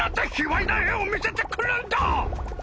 卑わいな絵を見せてくるんだ！